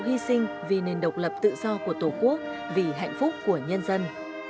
hy sinh vì nền độc lập tự do của tổ quốc vì hạnh phúc của nhân dân